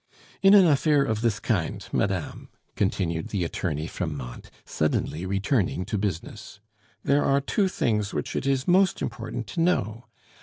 "In an affair of this kind, madame," continued the attorney from Mantes, suddenly returning to business, "there are two things which it is most important to know.